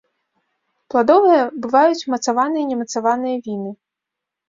Пладовыя бываюць мацаваныя і немацаваныя віны.